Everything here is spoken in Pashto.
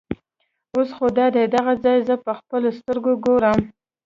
اوس خو دادی دغه ځای زه په خپلو سترګو ګورم.